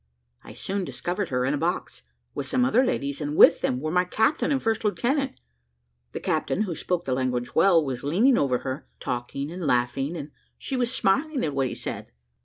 I soon discovered her in a box, with some other ladies, and with them were my captain and first lieutenant. The captain, who spoke the language well, was leaning over her, talking and laughing, and she was smiling at what he said.